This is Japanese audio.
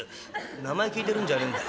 「名前聞いてるんじゃねえんだよ。